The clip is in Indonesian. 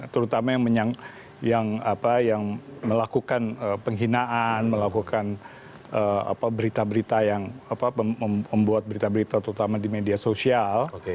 terutama yang melakukan penghinaan melakukan berita berita yang membuat berita berita terutama di media sosial